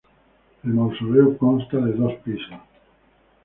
El mausoleo consta de dos pisos.